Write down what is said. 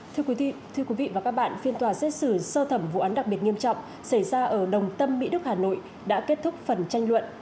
thưa quý vị thưa quý vị và các bạn phiên tòa xét xử sơ thẩm vụ án đặc biệt nghiêm trọng xảy ra ở đồng tâm mỹ đức hà nội đã kết thúc phần tranh luận